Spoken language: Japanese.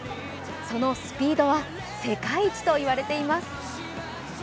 そのスピードは世界一と言われています。